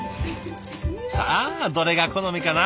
さあどれが好みかな？